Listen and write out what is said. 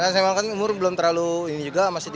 sebenarnya umur belum terlalu ini juga masih tiga puluh satu